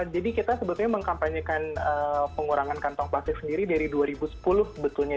jadi kita sebetulnya mengkampanyekan pengurangan kantong plastik sendiri dari dua ribu sepuluh sebetulnya